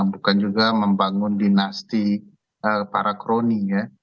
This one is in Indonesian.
bukan juga membangun dinasti para kroni ya